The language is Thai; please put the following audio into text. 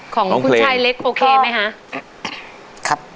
ของคุณชายเล็กโอเคไหมคะ